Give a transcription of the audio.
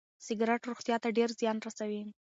سګریټ روغتیا ته ډېر زیان رسوي.